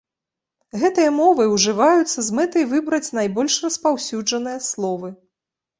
Гэтыя мовы ўжываюцца з мэтай выбраць найбольш распаўсюджаныя словы.